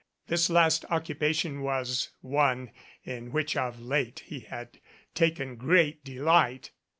This last occupation was one in which of late he had taken great delight.